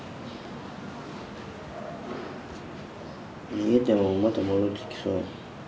逃げてもまた戻ってきそう。